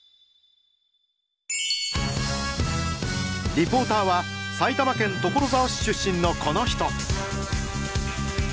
リポーターは埼玉県所沢市出身のこの人！